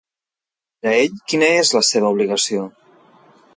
Per a ell, quina és la seva obligació?